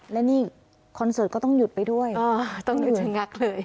และนี่คอนเสิร์ตก็ต้องหยุดไปด้วยต้องหยุดชะงักเลย